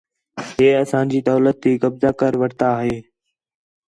ہے اسانڄی دولت تی قوضہ کر وٹھتا ہے